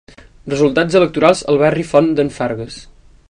Resultats electorals al barri Font d'en Fargues.